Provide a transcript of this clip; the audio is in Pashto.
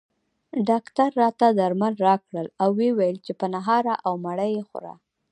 ډاکټر راته درمل راکړل او ویل یې چې په نهاره او مړه یې خوره